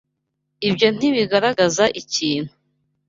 Ibyo ntibigaragaza ikintu